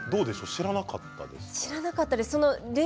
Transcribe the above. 知らなかったです。